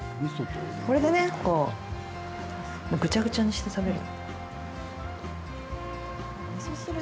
これでねぐちゃぐちゃにして食べる。